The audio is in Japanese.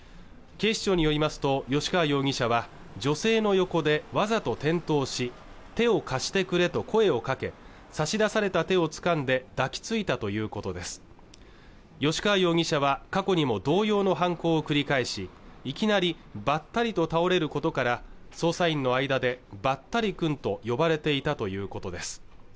警視庁によりますと吉川容疑者は女性の横でわざと転倒し手を貸してくれと声を掛け差し出された手を掴んで抱きついたということです吉川容疑者は過去にも同様の犯行を繰り返しいきなりばったりと倒れることから捜査員の間でばったりくんと呼ばれていたということです